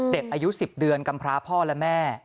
เด็กอายุ๑๐เดือนกำพร้าพ่อและแม่